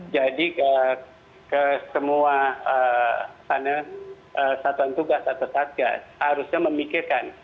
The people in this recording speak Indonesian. jadi ke semua satuan tugas atau tatga harusnya memikirkan